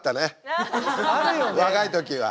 若い時は。